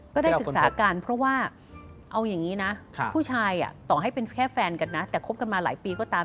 ก็ได้ศึกษากันเพราะว่าเอาอย่างนี้นะผู้ชายต่อให้เป็นแค่แฟนกันนะแต่คบกันมาหลายปีก็ตาม